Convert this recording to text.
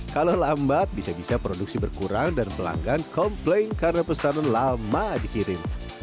kalau lambat bisa bisa produksi berkurang dan pelanggan komplain karena pesanan lama dikirim